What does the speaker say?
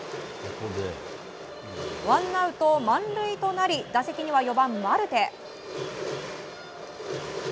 ワンアウト満塁となり打席には４番、マルテ。